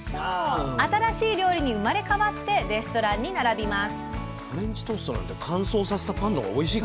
新しい料理に生まれ変わってレストランに並びます。